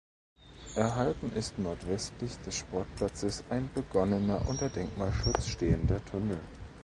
Erhalten ist nordwestlich des Sportplatzes ein begonnener unter Denkmalschutz stehender Tunnel.